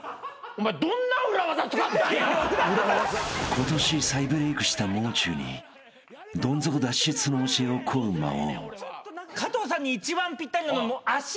［今年再ブレイクしたもう中にどん底脱出の教えを請う魔王］